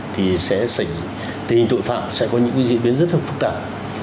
thì sẽ tình hình tội phạm sẽ có những diễn biến rất phức tạp